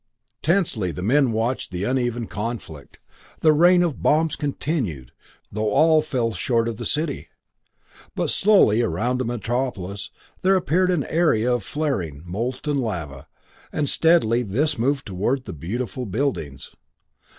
Tensely the men watched the uneven conflict. The rain of bombs continued, though all fell short of the city. But slowly around the metropolis there appeared an area of flaring, molten lava, and steadily this moved toward the beautiful buildings.